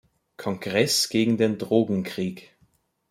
Kongress gegen den Drogenkrieg".